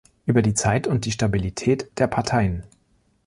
Über die Zeit und die Stabilität der Parteien.